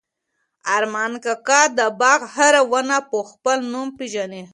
ارمان کاکا د باغ هره ونه په خپل نوم پېژني.